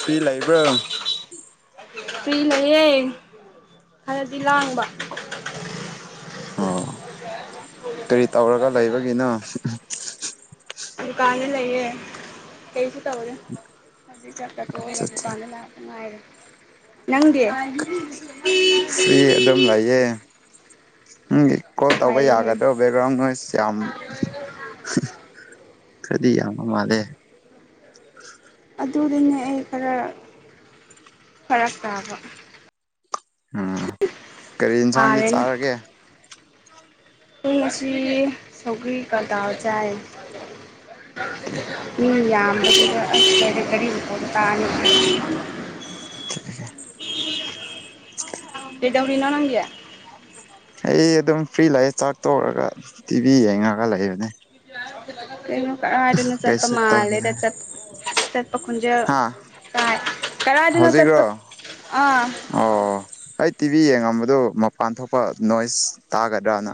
free ꯂꯩꯕ꯭ꯔꯣ free ꯂꯩꯌꯦ ꯈꯔꯗꯤ ꯂꯥꯡꯕ [inaudible] ꯑꯣ ꯀꯔꯤ ꯇꯧꯔꯒ ꯂꯩꯕꯒꯤꯅꯣ [inaudible] ꯗꯨꯀꯥꯟꯗ ꯂꯩꯌꯦ ꯀꯩꯁꯨ ꯇꯧꯒꯦ ꯍꯧꯖꯤꯛ ꯆ ꯆꯥꯊꯣꯛꯑꯒ ꯑꯠꯆꯥ ꯗꯨꯀꯥꯟꯗ ꯂꯥꯛꯑꯦ ꯃꯥ ꯅꯪꯗꯤ ꯐ꯭ꯔꯤ ꯑꯦꯗꯝ ꯂꯥꯏꯌꯦꯦ ꯎ ꯀꯣꯜ ꯇꯧꯕ ꯐꯩꯅꯦ ꯌꯥꯒꯗ꯭ꯔꯣ ꯕꯦꯛꯒ꯭ꯔꯥꯎꯟ ꯅꯣꯏꯁ ꯌꯥꯝ ꯗꯤ ꯌꯥ ꯃꯥꯂꯦ ꯑꯗꯨꯗꯅꯦ ꯑꯩ ꯈꯔ ꯐꯔꯛ ꯇꯥꯕ ꯎꯝ ꯀꯔꯤ ꯌꯦꯟꯁꯥꯡꯗꯤ ꯆꯥꯔꯒꯦ ꯄꯨꯡ ꯑꯁꯤ ꯁꯧꯒꯔꯤ ꯀꯗꯥꯥꯎ ꯆꯥꯏ ꯎ ꯌꯥꯝꯆ ꯀꯔꯤ ꯇꯥꯅꯤ ꯂꯩꯗꯥꯧꯔꯤꯅꯣ ꯅꯡꯒꯌꯥ ꯑꯩ ꯑꯗꯨꯝ ꯐ꯭ꯔꯤ ꯂꯩꯑꯦ ꯆꯥꯛ ꯇꯧꯔꯒ ꯇꯤꯚꯤ ꯌꯦꯡꯉꯒ ꯂꯩꯕꯅꯦ ꯅ ꯑꯅ ꯆꯄ ꯀꯩꯁꯨ ꯃꯥꯂ ꯇꯧꯅꯤꯡꯉꯥꯏ ꯈꯨꯟꯖꯦ ꯍꯥ ꯇꯥꯏ ꯀꯔꯥꯏꯗꯨꯅꯣ ꯆꯠꯄ ꯍꯧꯖꯤꯛꯔꯣ ꯑꯥ ꯑꯣ ꯑꯩ ꯇꯤꯚꯤ ꯌꯦꯡꯉꯝꯕꯗꯨ ꯃꯄꯥꯟ ꯊꯣꯛꯄ ꯅꯣꯏꯁ ꯇꯥꯒꯗ꯭ꯔꯅ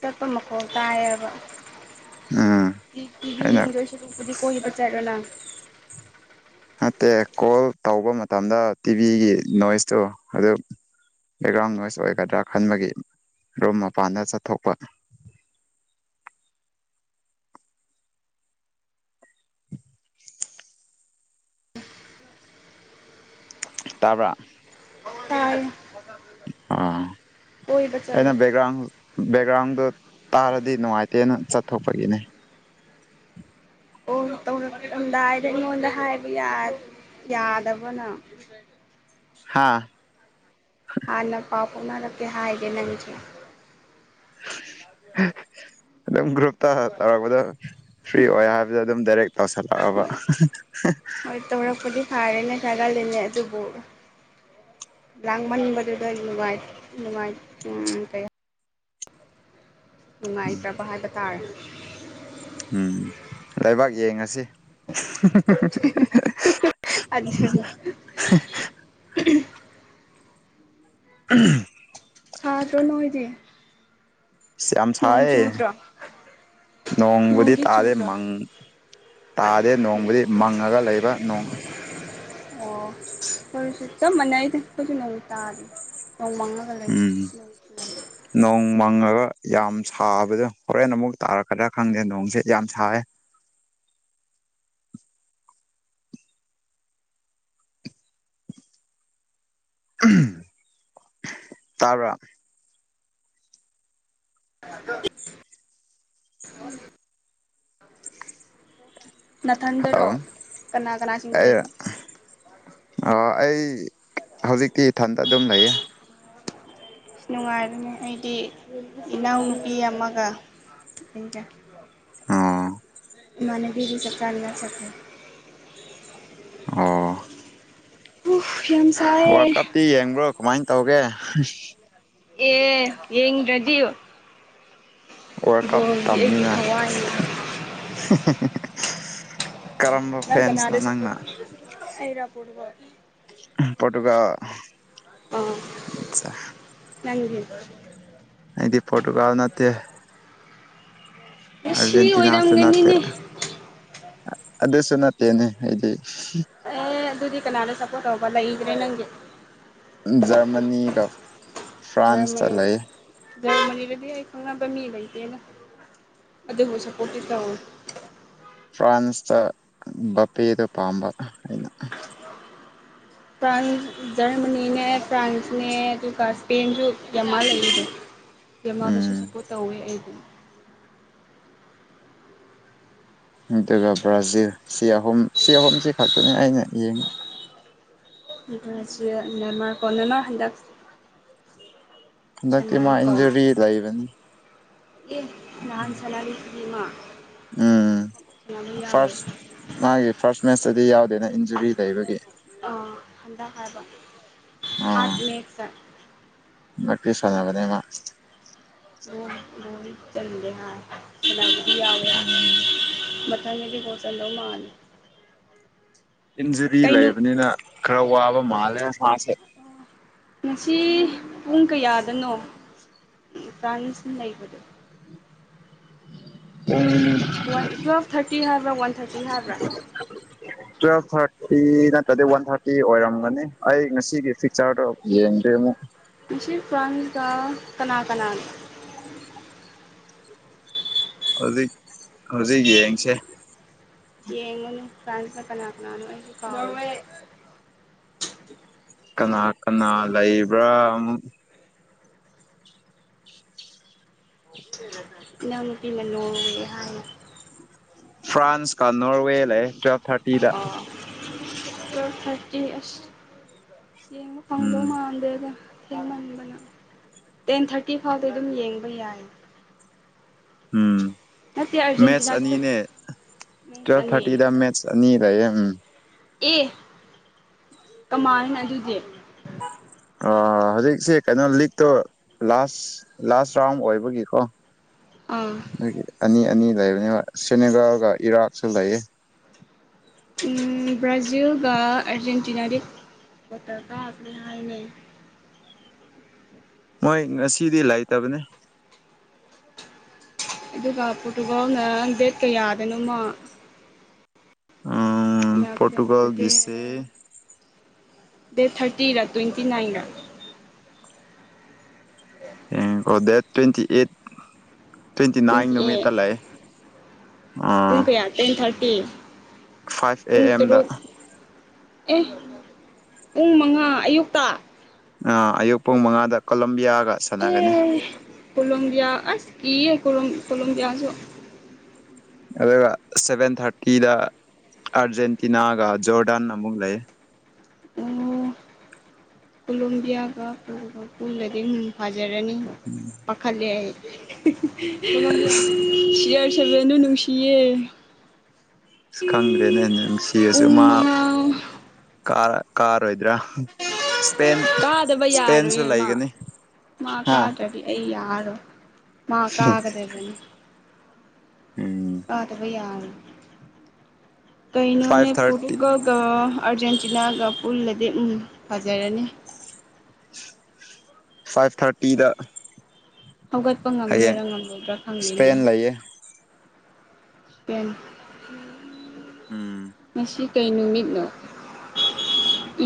ꯆꯄ ꯃꯀ ꯇꯕ ꯎꯝ ꯀꯤꯚꯤ ꯑꯩꯅ ꯌꯦꯡꯗꯣꯏꯁꯨ ꯑꯗꯨꯝꯕꯨꯗꯤ ꯀꯣꯏꯕ ꯆꯥꯏꯔꯣ ꯅꯪ ꯅꯠꯇꯦ ꯀꯣꯜ ꯇꯧꯕ ꯃꯇꯝꯗ ꯇꯤꯚꯤꯒꯤ ꯅꯣꯏꯁꯇꯣ ꯑꯗꯨ ꯕꯦꯛꯒ꯭ꯔꯥꯎꯟ ꯅꯣꯏꯁ ꯑꯣꯏꯒꯗ꯭ꯔꯥ ꯈꯟꯕꯒꯤ ꯔꯨꯝ ꯃꯄꯥꯟꯗ ꯆꯠꯊꯣꯛꯄ ꯇꯥꯕ ꯇꯥꯏ ꯑꯣꯏ ꯍꯣꯏꯕ ꯆꯂꯣ ꯕꯦꯛꯒ꯭ꯔꯥꯎꯟꯗ ꯇꯥꯔꯗꯤ ꯅꯨꯡꯉꯥꯏꯇꯦꯅ ꯆꯠꯊꯣꯛꯄꯒꯤꯅꯦ ꯑꯣ ꯇꯧꯔꯛꯂꯝꯗꯥꯏꯗ ꯑꯩꯉꯣꯟꯗ ꯍꯥꯏꯕ ꯌꯥꯗꯕꯅ ꯍꯥꯥ ꯍꯥꯟꯅ ꯄꯥꯎ ꯐꯥꯎꯅꯔꯛꯀꯦ ꯍꯥꯏꯒꯦ ꯅꯪꯁꯦ [inaudible] ꯑꯗꯨꯝ ꯒ꯭ꯔꯨꯞꯇ ꯇꯧꯔꯛꯄꯗ ꯐ꯭ꯔꯤ ꯑꯣꯏ ꯍꯥꯏꯕꯗ ꯑꯗꯨꯝ ꯗꯥꯏꯔꯦꯛ ꯇꯧꯁꯜꯂꯛꯑꯕ ꯍꯣꯏ ꯇꯧꯔꯄꯗꯤ ꯐꯥꯔꯦꯅꯦ ꯆꯒꯥ ꯂꯅꯦ ꯑꯗꯨꯕ ꯂ꯭ꯂꯪ ꯃꯅꯤ ꯃꯗꯨꯗ ꯂꯣꯕꯥꯥꯏ ꯂꯣꯕꯥꯥꯏ ꯏꯀ ꯅꯨꯡꯉꯥꯏꯇ꯭ꯔꯕ ꯍꯥꯏꯕ ꯇꯥꯔꯦ ꯎꯝ ꯂꯩꯕꯥꯛ ꯌꯦꯡꯉꯁꯤ [inaudible] ꯑꯗꯨꯅꯤ [inaudible] ꯁꯥꯥꯇ ꯅꯣꯏꯗꯤ ꯌꯥꯝ ꯅꯣꯡ ꯁꯥꯏ ꯆꯨꯗ꯭ꯔꯣ ꯅꯣꯡꯕꯨꯗꯤ ꯅꯣꯡꯗꯤ ꯇꯥꯔꯦ ꯆꯨꯗ꯭ꯔꯣ ꯃꯪ ꯇꯥꯗꯦ ꯅꯣꯡꯕꯨꯗꯤ ꯃꯪꯉꯒ ꯂꯩꯕ ꯅꯣꯡ ꯑꯣ ꯇꯨ ꯁꯛꯇ ꯃꯅꯥꯏ ꯊ ꯀꯁꯨ ꯅ ꯇꯗ ꯍꯣꯡꯃꯥꯡꯒꯂ ꯎꯝ ꯅꯣꯡ ꯃꯪꯉꯒ ꯌꯥꯝ ꯁꯥꯕꯗꯣ ꯍꯣꯔꯦꯟ ꯑꯃꯨꯛ ꯇꯥꯔꯛꯀꯗ꯭ꯔꯥ ꯈꯪꯗꯦ ꯅꯣꯡꯁꯦ ꯌꯥꯝ ꯁꯌꯦꯦ [inaudible] ꯇ [inaudible] ꯍꯜꯂꯣ ꯅꯥꯊꯟꯗꯔꯣ ꯀꯅꯥ ꯀꯅꯥꯁꯤꯡꯒ ꯂꯩꯒꯦ ꯑ ꯑꯩ ꯍꯧꯖꯤꯛꯤ ꯏꯊꯟꯗ ꯑꯗꯨꯝ ꯂꯩꯌꯦ ꯅꯨꯡꯉꯥꯏꯕꯅꯤ ꯑꯩꯗꯤ ꯏꯅꯥꯎꯅꯨꯄꯤ ꯑꯃꯒ ꯊꯦꯡ [unintelligible] ꯑꯣ ꯃꯅꯕꯤꯒꯤ ꯆꯞ ꯆꯥꯔꯅ ꯆ [inaudible] ꯑꯣ ꯎꯐ ꯌꯥꯝ ꯁꯥꯏꯌꯦ ꯋꯥꯔ ꯀꯞꯇꯤ ꯌꯦꯡꯕ꯭ꯔꯣ ꯀꯃꯥꯏ ꯇꯧꯒꯦ ꯑꯦ ꯌꯦꯡꯗ꯭ꯔꯗꯤ ꯋꯥꯔ ꯀꯞ ꯕꯣꯜꯗꯤ ꯑꯩꯒꯤ ꯇꯝꯅꯤꯅ ꯊꯋꯥꯏꯅꯤ ꯐꯦꯟꯁꯅꯣ ꯅꯗꯔꯣ ꯅꯪꯅ [inaudible] ꯄꯣꯇꯨꯒꯜ ꯑꯥ ꯑꯆꯥ ꯅꯪꯗꯤ ꯍꯥꯏꯗꯤ ꯄꯣꯔꯇꯨꯒꯜ ꯅꯠꯇꯦ ꯃꯦꯁꯤ ꯑꯔꯖꯦꯟꯇꯤꯅꯥꯁꯨ ꯅꯇꯦ ꯑꯣꯏꯔꯝꯒꯅꯤꯅꯦ ꯑꯗꯨꯁꯨ ꯅꯠꯇꯦꯅꯦ ꯑꯩꯗꯤ ꯑꯦ ꯑꯗꯨꯗꯨꯗꯤ ꯀ ꯅꯅꯥꯦ ꯁꯄꯣꯔꯠ ꯍꯕꯂ [unintelligible] ꯏ꯭ꯔꯦ ꯅꯪꯒ ꯖꯔꯃꯅꯤꯒ ꯐ꯭ꯔꯥꯟꯁꯇ ꯂꯩ ꯖꯔ ꯃꯅꯤꯔꯗꯤ ꯑꯩ ꯈꯪꯅꯕ ꯃꯤ ꯂꯩꯇꯦꯅ ꯑꯗ ꯍꯣ ꯁꯄꯣꯔꯠ ꯇꯑꯣꯣ ꯐ꯭ꯔꯥꯟꯁꯇ ꯕꯄꯦꯗꯣ ꯄꯥꯝꯕ ꯑꯩꯅ ꯐ꯭ꯔꯥꯟꯁ ꯖꯔꯃꯅꯤꯅꯦ ꯐ꯭ꯔꯥꯟꯁꯅꯦ ꯑꯗꯨꯒ ꯏꯁꯄꯦꯟꯁꯨ ꯌꯥꯝ ꯃꯥ ꯂꯩꯁꯦ ꯦꯃꯥꯗꯁꯨ ꯎꯝ ꯁꯞꯄꯣꯔꯠ ꯇꯧꯋꯦ ꯑꯩꯗꯤ ꯑꯗꯨꯒ ꯕ꯭ꯔꯥꯖꯤꯜ ꯁꯤ ꯑꯍꯨꯝ ꯁꯤ ꯑꯍꯨꯝꯁꯤ ꯈꯛꯇꯅꯤ ꯑꯩꯅ ꯌꯦꯡꯉ ꯁꯤ ꯅꯦꯃꯔ ꯀ [inaudible] ꯅꯃꯥ ꯍꯟꯗꯛ ꯍꯟꯗꯛꯇꯤ ꯃꯥ ꯁꯥꯟꯅꯩꯀꯣ ꯏꯟꯖꯨꯔꯤ ꯂꯩꯕꯅꯤ ꯑꯦ ꯅꯍꯥꯟ ꯁꯅꯥꯔꯤꯗꯨꯗꯤ ꯃꯥ ꯎꯝ ꯁꯥꯟꯅꯕ ꯌꯥꯎꯔꯦ ꯐꯥꯔꯁ ꯃꯥꯒꯤ ꯐꯥꯔꯁ ꯃꯦꯠꯁꯇꯗꯤ ꯌꯥꯎꯗꯦꯅ ꯏꯟꯖꯨꯔꯤ ꯂꯩꯕꯒꯤ ꯊꯟꯗ ꯐꯥꯏꯕ ꯍꯥꯠ ꯃꯦꯛꯁꯔ [unintelligible] ꯛꯇꯀꯤ [inaudible] ꯁꯥꯟꯅꯕꯅꯦ ꯃꯥ ꯂꯣ ꯆꯟꯒꯦ ꯍꯥꯏ ꯑꯗꯥꯕꯨꯗꯤ ꯌꯥꯎꯋꯦ ꯎꯝ ꯊꯅꯤꯗꯤ ꯄꯣ ꯆꯟꯗꯧ ꯃꯥꯅ ꯏꯟꯖꯨꯔꯤ ꯂꯩꯕꯅꯤꯅ ꯈꯔ ꯋꯥꯕ ꯃꯥꯜꯂꯦ ꯍꯥꯁꯦ ꯉꯁꯤ ꯄꯨꯡ ꯀꯌꯥꯗꯅꯣ ꯐ꯭ꯔꯥꯟꯁꯏꯕꯗꯣ ꯄꯨꯣꯏꯂꯤ ꯋꯥꯟ ꯇꯨꯋꯦꯜꯞ ꯊꯥꯔꯇꯤ ꯍꯥꯏꯕ꯭ꯔꯥ ꯋꯥꯟ ꯊꯥꯔꯇꯤ ꯍꯥꯏꯕ꯭ꯔꯥ ꯐ ꯅꯠꯇ꯭ꯔꯗꯤ ꯋꯥꯟ ꯊꯥꯔꯇꯤ ꯑꯣꯏꯔꯝꯒꯅꯤ ꯑꯩ ꯉꯁꯤꯒꯤ ꯐꯤꯛꯆꯔꯗꯣ ꯌꯦꯡꯗꯦ ꯑꯃꯨꯛ ꯃꯁꯤ ꯐ꯭ꯔꯥꯟꯁꯀ ꯀꯅꯥ ꯀꯅꯥ ꯍꯧꯖꯤꯛ ꯍꯧꯖꯤꯛ ꯌꯦꯡꯁꯦ ꯌꯦꯉ ꯐ꯭ꯔꯥꯟꯁ ꯂ ꯀꯅꯥꯅꯥꯅꯣ ꯀꯅꯥ ꯀꯅꯥ ꯂꯩꯕ꯭ꯔꯥ ꯑꯃ ꯏꯅꯄꯤ ꯃꯅꯣ ꯐ꯭ꯔꯥꯟꯁꯀ ꯅꯣꯔꯋꯦ ꯂꯩ ꯇꯨꯋꯦꯜꯐ ꯊꯔꯇꯤꯗ ꯑꯦ ꯑꯁ ꯌꯦꯡꯕ ꯐꯪꯗꯧ ꯎꯝ ꯃꯥꯟꯗꯦꯗ ꯌꯥꯝꯃꯟꯕꯅ ꯇꯦꯟ ꯊꯥꯔꯇꯤ ꯐꯥꯎꯗꯤ ꯑꯗꯨꯝ ꯌꯦꯡꯕ ꯌꯥꯏ ꯎꯝ ꯅꯠꯇꯦ ꯑꯔꯖꯦꯟꯇꯤꯅꯥ ꯇ꯭ꯋꯦꯜ ꯊꯥꯔꯇꯤꯗ ꯃꯦꯆꯑꯅꯤ ꯂꯩ ꯑꯦ ꯀꯃꯥꯏ ꯑꯗꯨꯗꯤ ꯍꯧꯖꯤꯛꯁꯦ ꯀꯩꯅꯣ ꯂꯤꯛꯇꯣ ꯂꯥꯁ ꯂꯥꯁ ꯔꯥꯎꯟ ꯑꯣꯏꯕꯒꯤꯀꯣ ꯑꯥ ꯑꯗꯒꯤ ꯑꯅꯤ ꯑꯅꯤ ꯂꯩꯕꯅꯤ ꯁꯦꯅꯦꯒꯥꯒ ꯏꯔꯥꯛꯁꯨ ꯂꯩꯌꯦ ꯕ꯭ꯔꯥꯖꯤꯜꯒ ꯑꯔꯖꯦꯟꯇꯤꯅꯥꯗꯤ ꯄꯠꯇꯔꯀꯥꯥꯁꯦ ꯍꯥꯏꯥꯏꯅꯦꯩ ꯃꯣꯏ ꯉꯁꯤꯗꯤ ꯂꯥꯛꯇꯕꯅꯦ ꯑꯗꯨꯒ ꯄꯣꯔꯇꯨꯒꯜꯅ ꯗꯦꯠ ꯀꯌꯥꯗꯅꯣꯃꯣ ꯄꯇꯨꯒꯜ ꯤꯁꯦ ꯗꯦꯠ ꯊꯥꯔꯇꯤꯔ ꯇ꯭ꯋꯦꯟꯇꯤ ꯅꯥꯏꯟ ꯑꯦꯦꯡꯀꯣ date twenty eight twenty nine ꯅꯨꯃꯤꯠꯇ ꯂꯩꯦ ꯑꯥ ꯇ [inaudible] ꯐꯥꯏꯚ ꯑꯦ ꯑꯦꯝꯗ ꯑꯦ ꯄꯨꯡ ꯃꯉꯥ ꯑꯌꯨꯛꯇ ꯑ ꯑꯌꯨꯛ ꯄꯨꯡ ꯃꯉꯥꯗ ꯀꯣꯂꯝꯕꯤꯌꯥꯒ ꯁꯥꯟꯅꯒꯅꯤ ꯀꯣꯂꯕꯤꯌꯥ ꯑꯁꯀꯤ ꯀ ꯀꯣꯂꯕꯤꯌꯥꯁꯨꯣ ꯑꯗꯨꯒ ꯁꯚꯦꯟ ꯊꯥꯔꯇꯤꯗ ꯑꯔꯖꯦꯟꯇꯅꯥꯒ ꯖꯣꯔꯗꯥꯟ ꯅꯃ ꯂꯩꯦ ꯑꯣ ꯀꯣꯂꯣꯕꯤꯌꯥꯒ ꯄꯨꯂꯗꯤꯐꯥꯏ ꯔꯅꯤ ꯄ ꯁꯅ ꯅꯨꯡꯁꯤꯌꯦ ꯑ ꯈꯪꯗ꯭ꯔꯦꯅꯦ ꯅꯨꯡꯁꯤꯔꯁꯨ ꯄꯨꯡ ꯃꯥ ꯃꯉꯥ ꯀꯥꯔꯣꯏꯗ꯭ꯔꯥ ꯏꯁꯄꯦꯟ ꯀꯥꯗꯕ ꯏꯁꯄꯦꯟꯁꯨ ꯌꯥꯔꯣꯏꯌꯦ ꯃꯥ ꯂꯩꯒꯅꯤ ꯃꯥ ꯍꯥꯥ ꯀꯥꯗꯕꯤ ꯑꯩ ꯌꯥꯔꯣ ꯃꯥ ꯀꯥꯒꯗ ꯑꯗꯨ ꯑꯗꯨꯅꯤ ꯎꯝ ꯑꯥꯗꯕ ꯌꯥꯒ ꯐꯥꯏꯚ ꯊꯥꯔꯇꯤ ꯀꯩꯅꯩꯅꯣꯅꯦꯦꯄꯨꯒꯒ ꯑꯔꯖꯦꯟꯇꯤꯅꯥꯒ ꯎꯜꯂꯗꯤ ꯎꯝ ꯐꯖꯔꯅꯤ ꯐꯥꯏꯚ ꯊꯥꯔꯇꯤꯗ ꯍꯧꯒꯠꯄ ꯍꯌꯦꯡ ꯉꯝꯗꯣꯏꯔꯥ ꯉꯝꯃꯣꯏꯗ꯭ꯔꯥ ꯐꯪꯗꯅꯦ ꯏꯁꯄꯦꯟ ꯂꯩꯌꯦ ꯎꯝ ꯄꯦꯟꯁꯤ ꯀꯩ ꯅꯨꯃꯤꯠꯅꯣ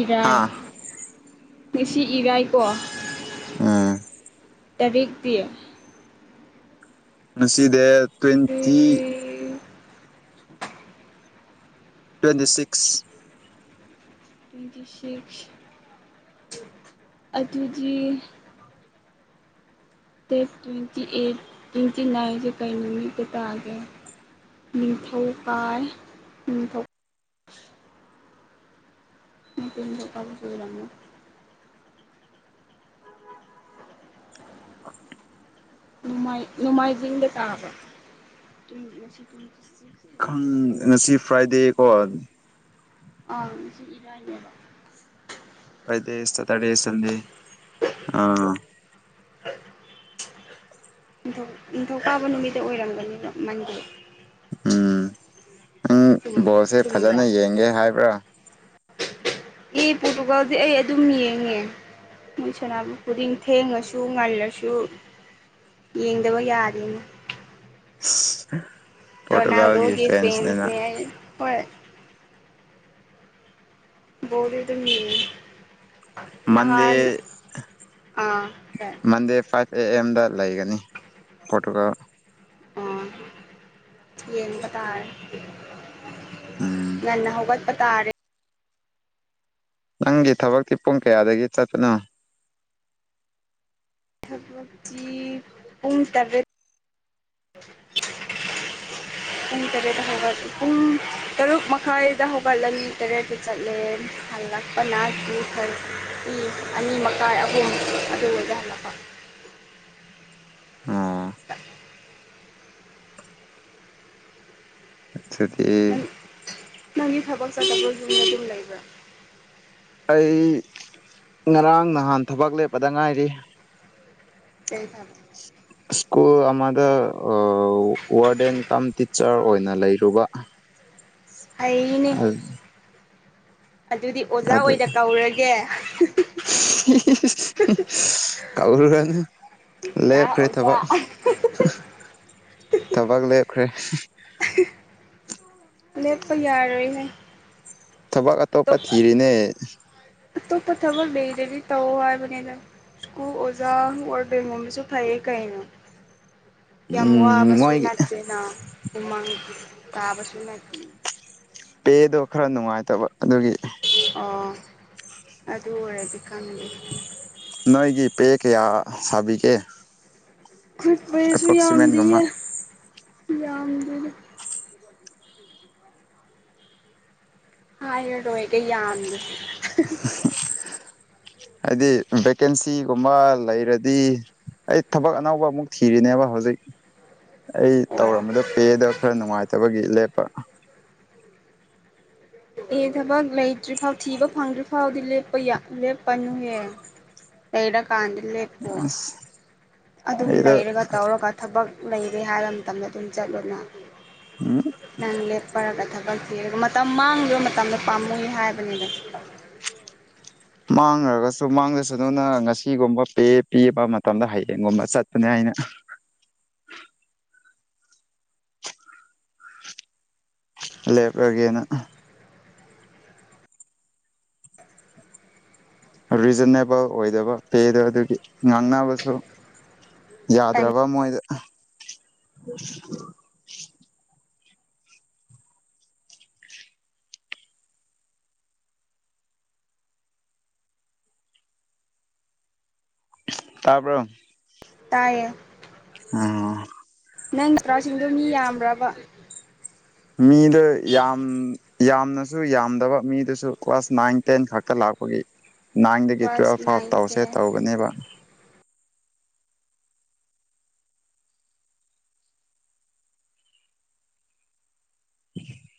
ꯏꯔꯥꯏ ꯍꯥꯥ ꯉꯁꯤ ꯏꯔꯥꯏꯀꯣ ꯑ [inaudible] ꯇꯔꯛꯀꯤ ꯃꯁꯤꯁꯤꯗꯤ ꯇ꯭ꯋꯦꯟꯇꯤ ꯇꯔꯦꯠ ꯇ꯭ꯋꯦꯟꯇꯤ ꯁꯤꯛꯁ ꯇ ꯁꯤꯦꯛꯁ ꯑꯗꯨꯖꯤ ꯇ꯭ꯋꯇꯤꯠ ꯇ꯭ꯋꯦꯟꯇꯤ ꯅꯥꯏꯟ ꯆ ꯀꯩ ꯅꯨꯃꯤ ꯀꯇꯥꯥꯒꯦ ꯅꯤꯡꯊꯧ ꯀꯥꯏ ꯅꯤꯡꯊꯧ [unintelligible] [inaudible] ꯅꯄꯤꯗ ꯑꯣꯀꯥꯕꯨꯁꯨꯗ ꯂꯣ ꯑꯣ [inaudible] ꯃꯥꯏ ꯅꯣꯡꯃꯥꯏꯖꯤꯡꯗ ꯇꯥꯕ ꯁꯤꯛꯁ ꯇ꯭ꯋꯦꯟꯇꯤ ꯈꯪ ꯁꯚꯦꯟ ꯅꯁꯤ ꯐ꯭ꯔꯥꯏꯗꯦꯀꯣ ꯑ ꯁꯤ ꯏꯔꯔ ꯐ꯭ꯔꯥꯏꯗꯦ ꯁꯇꯔꯗꯦ ꯁꯟꯗꯦ ꯑꯥ ꯅꯤꯡꯊꯧꯀꯥꯕ ꯅꯨꯃꯤꯠꯇ ꯑꯣꯏꯔꯝꯒꯅꯤꯗꯣ ꯃꯟꯗꯦ ꯎꯝ ꯅꯪ ꯆꯨꯝ ꯕꯣꯜꯁꯦ ꯆꯨꯝꯕ꯭ꯔꯥ ꯐꯖꯅ ꯌꯦꯡꯒꯦ ꯍꯥꯏꯕ꯭ꯔꯥ ꯑꯦ ꯄꯣꯔꯇꯨꯒꯥꯜꯁꯦ ꯑꯩ ꯑꯗꯨꯝ ꯌꯦꯡꯉꯦ ꯅꯣꯏ ꯁꯕꯨ ꯈꯨꯗꯤꯡ ꯊꯦꯡꯉꯁꯨ ꯉꯜꯂꯁꯨ ꯌꯦꯡꯗꯕꯣ ꯌꯥꯗꯦꯅ ꯄꯣꯔꯇꯨꯒꯥꯜꯒꯤ ꯐ꯭ꯔꯦꯟꯁꯅꯤꯅ ꯐꯦꯟꯁꯅꯦ ꯑꯩ ꯍꯣꯏ ꯕꯣꯜꯗꯤ ꯑꯗꯨ ꯃꯤ ꯃꯟꯗꯦ ꯑꯥ ꯀꯩ ꯃꯟꯗꯦ ꯐꯥ ꯑꯦ ꯑꯦꯝꯗ ꯂꯩꯒꯅꯤ ꯐꯣꯇꯣꯒ ꯑꯣ ꯌꯦꯡꯕ ꯇꯥꯔꯦ ꯎꯝ ꯉꯟꯅ ꯍꯧꯒꯠꯄ ꯇꯥꯔꯦ ꯅꯪꯒꯤ ꯊꯕꯛꯇꯤ ꯄꯨꯡ ꯀꯌꯥꯗꯒꯤ ꯆꯠꯇꯄꯅꯣ ꯀꯤ ꯄꯨꯡ ꯇꯔꯦꯠ ꯄꯨꯡ ꯇꯔꯦꯠꯇ ꯍꯧꯒꯠꯂ ꯄꯨꯡ ꯇꯔꯨꯛ ꯃꯈꯥꯏꯗ ꯍꯧꯒꯠꯂꯃꯤ ꯇꯔꯦꯠꯀꯤ ꯆꯠꯂꯦ ꯍꯥꯏ ꯜ ꯂꯛꯄꯅꯜ ꯑꯅꯤ ꯃꯈꯥꯏ ꯑꯍꯨꯝ ꯑꯗꯨ ꯑꯣꯏꯗ ꯍꯜꯂꯛꯄ ꯑꯣ [unintelligible] ꯗꯤ ꯅꯅꯤꯒꯤ ꯊꯕ ꯆꯖꯕ ꯅꯒ ꯂꯥꯏꯕ ꯑꯩ ꯉꯔꯥꯡ ꯅꯍꯥꯟ ꯊꯕꯛ ꯂꯦꯞꯄꯗ ꯉꯥꯏꯔꯤ ꯄꯁ ꯏꯁꯀꯨꯜ ꯑꯗ ꯋꯥꯔꯗ ꯑꯦꯟ ꯀꯝ ꯇꯤꯆꯔ ꯑꯣꯏꯅ ꯂꯩꯔꯨꯕ ꯑꯅꯤ ꯑꯗꯨꯗꯤ ꯑꯣꯖꯥ ꯑꯗꯨ ꯑꯣꯏꯅ ꯀꯧꯔꯒꯦ ꯀꯥꯎꯔ ꯍꯥꯏꯅ ꯗꯥ ꯂꯦꯞꯈ꯭ꯔꯦ ꯑꯣꯖꯥ ꯊꯕꯛ ꯊꯕꯛ ꯂꯦꯞꯈ꯭ꯔꯦ [unintelligible] ꯂꯦꯞꯄ ꯌꯥꯔꯣꯏꯅꯦ ꯊꯕꯛ ꯑꯇꯣꯞꯄ ꯊꯤꯔꯤꯅꯦ ꯇ ꯄꯊꯔ ꯂꯩꯗꯦꯅꯤ ꯇ ꯍꯥꯏꯕꯅꯤꯒ ꯁ꯭ꯀꯨꯜ ꯑꯣꯖꯥ ꯑꯣꯏꯔ ꯦꯡꯒꯣꯕꯁꯨ ꯐꯩꯌꯦ ꯀꯩꯅꯣ ꯌꯥꯝ ꯎꯝ ꯋꯥꯕꯁꯨ ꯃꯣꯏꯒꯤ ꯅꯠꯇꯦꯅ ꯎꯃꯪ ꯇꯥꯕꯁꯨ ꯅꯠꯇꯦꯅ ꯄꯦꯗꯣ ꯈꯔ ꯅꯨꯡꯉꯥꯏꯇꯕ ꯑꯗꯨꯒꯤ ꯑꯗꯔꯦꯗꯤ ꯅꯣꯏꯒꯤ ꯄ ꯀ ꯌꯥ ꯁꯕꯤꯒꯦ ꯐꯔꯤꯄꯦꯁꯕꯤ ꯌꯥꯝꯗꯤ ꯌꯥ ꯍ ꯏ ꯇꯣ ꯀꯩ ꯌꯥꯝꯗ ꯍꯥꯏꯗꯤ ꯚꯦꯀꯦꯟꯁꯤꯒꯨꯝꯕ ꯂꯩꯔꯗꯤ ꯑꯩ ꯊꯕꯛ ꯑꯅꯧꯕ ꯑꯃꯨꯛ ꯊꯤꯔꯤꯅꯦꯕ ꯍꯧꯖꯤꯛ ꯑꯩ ꯑꯣ ꯇꯧꯔꯝꯕꯗꯣ ꯄꯦꯗ ꯈꯔ ꯅꯨꯡꯉꯥꯏꯇꯕꯒꯤ ꯂꯦꯞꯄ ꯑꯦ ꯊꯕꯛ ꯂꯩꯇ꯭ꯔꯤꯐꯥꯎ ꯊꯤꯕ ꯐꯪꯗ꯭ꯔꯤꯐꯥꯎꯗꯤ ꯂꯞꯄ ꯂꯦꯞꯄꯅꯨꯍꯦ ꯇꯩꯔ ꯀꯥꯥꯟꯗꯜ ꯂ ꯄꯨꯋꯥ ꯑꯁ ꯑꯗꯨꯝ ꯑꯩꯗ ꯂꯩꯔꯒ ꯇꯧꯔꯒ ꯊꯕꯛ ꯂꯩꯔꯦ ꯍꯥꯏꯕ ꯃꯇꯝꯗ ꯑꯗꯨꯝ ꯆꯠꯂꯨꯅ ꯎꯝ ꯅꯪ ꯂꯦꯞꯄꯔ ꯀꯊꯥ ꯤ ꯑꯗꯨꯒ ꯃꯇꯝ ꯃꯥꯡꯗꯕ ꯃꯇꯝꯗ ꯄꯥꯝꯃꯨꯅꯤ ꯍꯥꯏꯕꯅꯤꯗ ꯃꯥꯡꯈ꯭ꯔꯒꯁꯨ ꯃꯥꯡꯗꯁꯨ ꯑꯗꯨꯨꯅ ꯉꯁꯤꯒꯨꯝꯕ ꯄꯤꯕ ꯃꯇꯝꯗ ꯍꯌꯦꯌꯦꯡꯒꯨꯝꯕ ꯆꯠꯄꯅꯦ ꯍꯥꯏꯅ [unintelligible] ꯂꯦꯄꯔꯒꯦꯅ ꯔꯤꯖꯅꯦꯦꯕꯜ ꯑꯣꯏꯗꯕ ꯄꯦꯗ ꯑꯗꯨꯒꯤ ꯉꯥꯡꯅꯕꯁꯨ ꯌꯥꯗ꯭ꯔꯕ ꯃꯣꯏꯗ ꯇꯔꯕꯔ ꯇꯌꯦ ꯑ ꯅꯪꯒꯤ ꯇ꯭ꯔꯥꯎꯁꯤꯡꯗꯣ ꯃꯤ ꯌꯥꯝꯕ꯭ꯔꯕ ꯃꯤꯗ ꯌꯥꯝ ꯌꯥꯝꯅꯁꯨ ꯌꯥꯝꯗꯕ ꯃꯤꯗꯨꯁꯨ ꯀ꯭ꯂꯥꯁ ꯅꯥꯏꯟ ꯇꯦꯟ ꯈꯛꯇ ꯂꯥꯛꯄꯒꯤ ꯅꯥꯏꯟꯗꯒꯤ ꯇꯨꯋꯦꯜꯐ ꯀ꯭ꯂꯥꯁ ꯐꯥꯎ ꯅꯥꯏꯟ ꯇꯧꯁꯦ ꯇꯦꯟ ꯇꯧꯕꯅꯦꯕ [inaudible]